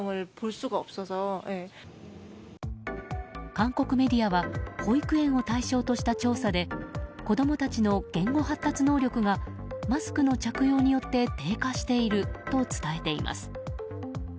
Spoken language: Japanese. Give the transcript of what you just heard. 韓国メディアは保育園を対象とした調査で子供たちの言語発達能力がマスクの着用によって低下していると伝えています。